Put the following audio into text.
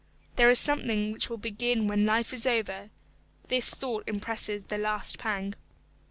There is something which will begin when life is over; this thought impresses the last pang.